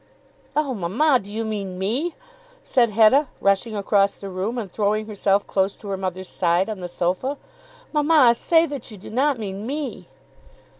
"Oh, mamma, do you mean me?" said Hetta, rushing across the room, and throwing herself close to her mother's side on the sofa. "Mamma, say that you do not mean me."